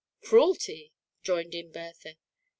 Cruelty," joined in Bertha.